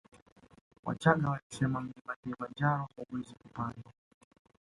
Wachagga walisema mlima kilimanjaro hauwezi kupandwa